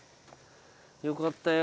よかったよ。